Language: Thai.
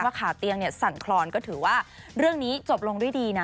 ขาเตียงเนี่ยสั่นคลอนก็ถือว่าเรื่องนี้จบลงด้วยดีนะ